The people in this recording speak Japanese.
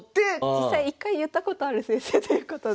実際一回言ったことある先生ということで。